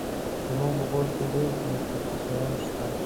زموږ په کور کې ډېر پلاستيکي شیان شته.